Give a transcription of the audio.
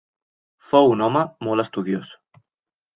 Fou un home molt estudiós.